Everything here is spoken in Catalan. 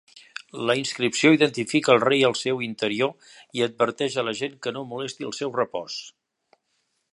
La inscripció identifica el rei al seu interior i adverteix a la gent que no molesti el seu repòs.